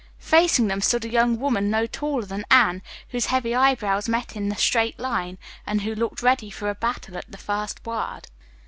Facing them stood a young woman no taller than Anne, whose heavy eyebrows met in a straight line, and who looked ready for battle at the first word.